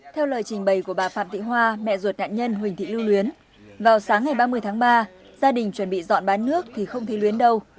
theo lời trình bày của bà phạm thị hoa mẹ ruột nạn nhân huỳnh thị lưu luyến vào sáng ngày ba mươi tháng ba gia đình chuẩn bị dọn bán nước thì không thấy luyến đâu